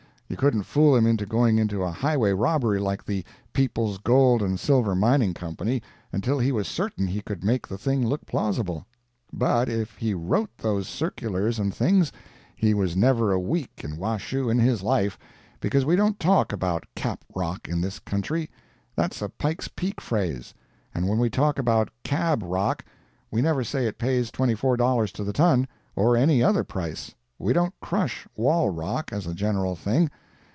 You couldn't fool him into going into a highway robbery like the "People's Gold and Silver Mining Company," until he was certain he could make the thing look plausible. But if he wrote those circulars and things, he was never a week in Washoe in his life, because we don't talk about "cap rock" in this country—that's a Pike's Peak phrase; and when we talk about "cab rock," we never say it pays "$24 to the ton," or any other price; we don't crush wall rock, as a general thing.